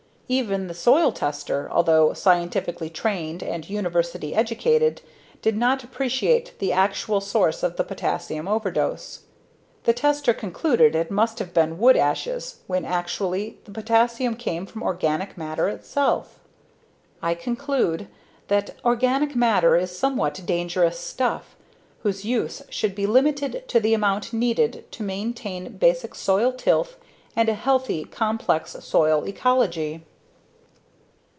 Even the soil tester, although scientifically trained and university educated, did not appreciate the actual source of the potassium overdose. The tester concluded it must have been wood ashes when actually the potassium came from organic matter itself. I conclude that organic matter is somewhat dangerous stuff whose use should be limited to the amount needed to maintain basic soil tilth and a healthy, complex soil ecology.